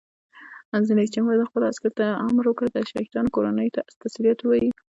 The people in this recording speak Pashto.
رئیس جمهور خپلو عسکرو ته امر وکړ؛ د شهیدانو کورنیو ته تسلیت ووایئ!